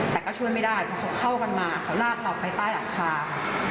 แต่ก็ช่วยไม่ได้เค้าเข้ากันมาเค้าลากเราไปใต้อักภาพ